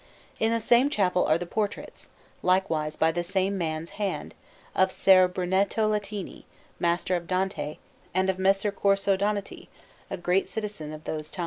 In the same chapel are the portraits, likewise by the same man's hand, of Ser Brunetto Latini, master of Dante, and of Messer Corso Donati, a great citizen of those times.